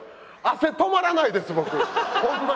汗止まらないです僕ホンマに。